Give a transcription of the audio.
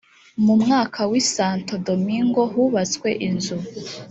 mu mwaka wa i santo domingo hubatswe inzu